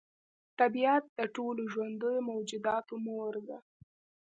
طبیعت د ټولو ژوندیو موجوداتو مور ده.